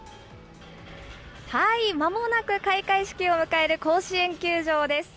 まもなく開会式を迎える甲子園球場です。